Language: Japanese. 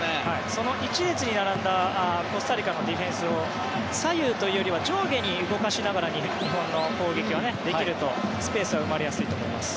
その１列に並んだコスタリカのディフェンスを左右というよりは上下に動かしながら日本の攻撃はできるとスペースが生まれやすいと思います。